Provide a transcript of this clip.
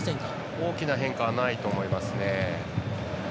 大きな変化はないと思いますね。